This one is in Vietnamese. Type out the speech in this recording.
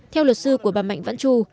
theo luật sư của bà mạnh vãn chu